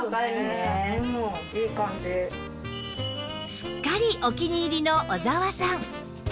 すっかりお気に入りの小澤さん